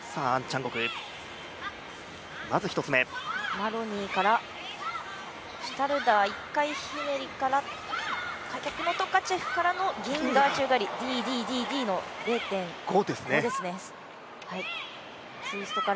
マロニーから、シュタルダー一回ひねりからトカチェフからのギンガー宙返り０．５ですね。